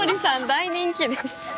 大人気です。